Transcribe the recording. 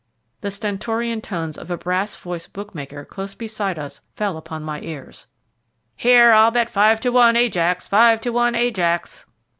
The stentorian tones of a brass voiced bookmaker close beside us fell on my ears: "Here, I'll bet five to one Ajax five to one Ajax!"